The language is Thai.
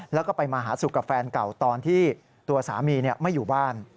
แล้วก็ไปมาหาสุขกับแฟนเก่าตอนที่ตัวสามีไม่อยู่บ้าน